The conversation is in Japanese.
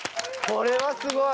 これはすごい。